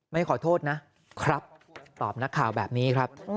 ไม่ขอโทษนะครับตอบนักข่าวแบบนี้ครับ